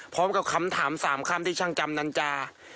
พร้อมกับคำถาม๓คำที่ช่างจำนันจา